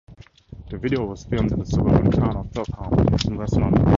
The video was filmed in the suburban town of Feltham, in west London.